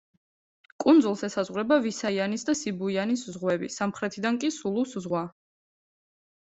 კუნძულს ესაზღვრება: ვისაიანის და სიბუიანის ზღვები, სამხრეთიდან კი სულუს ზღვა.